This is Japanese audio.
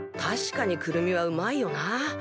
確かにくるみはうまいよな。